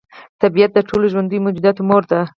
طبیعت د ټولو ژوندیو موجوداتو مور ده.